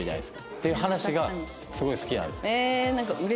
っていう話がすごい好きなんです。